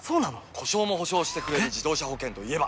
故障も補償してくれる自動車保険といえば？